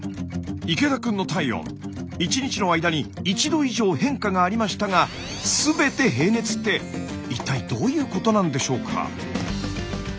池田くんの体温１日の間に１℃以上変化がありましたが「すべて平熱」って一体どういうことなんでしょうか？